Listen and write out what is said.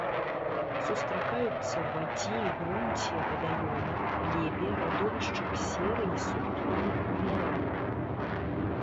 Сустракаюцца у вадзе і грунце вадаёмаў, глебе, радовішчах серы і сульфідных мінералаў.